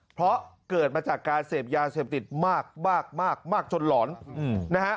เพราะเกิดมาจากการเสพยาเสพติดมากมากจนหลอนนะฮะ